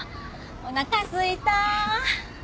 おなかすいた！